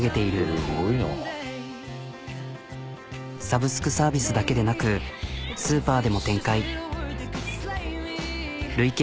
サブスクサービスだけでなくスーパーでも展開。